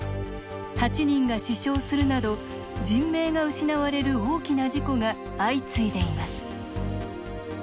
８人が死傷するなど人命が失われる大きな事故が相次いでいます。